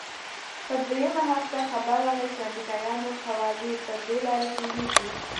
پر دويمه هفته خبر راغى چې امريکايانو قواوې پر دې لاره تېريږي.